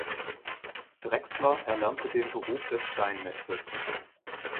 Drexler erlernte den Beruf des Steinmetzes.